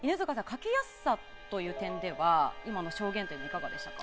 描きやすさという点では今の証言はいかがでしたか？